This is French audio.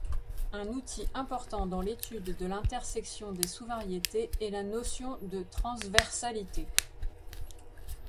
Un outil important dans l'étude de l'intersection des sous-variétés est la notion de transversalité.